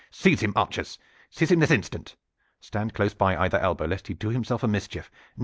"Seize him, archers! Seize him this instant! Stand close by either elbow, lest he do himself a mischief!